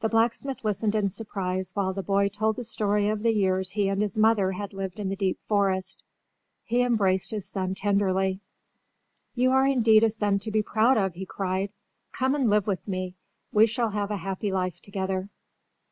The blacksmith listened in surprise while the boy told the story of the years he and his mother had lived in the deep forest. He embraced his son tenderly. "You are indeed a son to be proud of!" he cried. "Come and live with me. We shall have a happy life together."